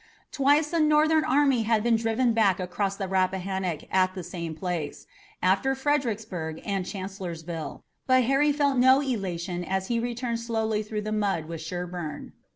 Twice the Northern army had been driven back across the Rappahannock at the same place after Fredericksburg and Chancellorsville but Harry felt no elation as he returned slowly through the mud with Sherburne.